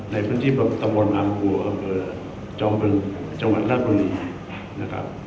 ในพื้นที่ประบบตำรวจอมเบิร์นจังหวัดรักษณีย์